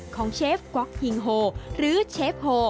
เชฟก๊อกพิงโฮหรือเชฟโฮ